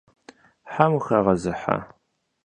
Hem vuxağezıha?